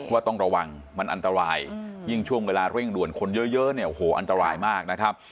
ว่าต้องระวังมันอันตรายยิ่งช่วงเวลาเร่งด่วนคนเยอะเนี่ยโอ้โหอันตรายมากนะครับ